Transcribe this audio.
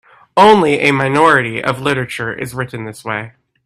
Only a minority of literature is written this way.